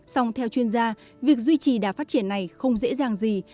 song theo chuyên gia việc duy trì đà phát triển này không dễ dàng gì